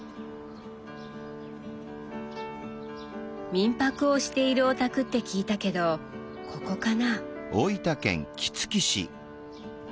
民泊をしているお宅って聞いたけどここかな？